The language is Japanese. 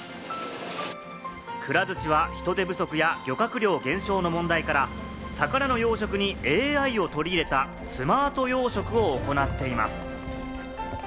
くら寿司は、人手不足や漁獲量減少の問題から魚の養殖にＡＩを取り入れたスマート養殖を行っています。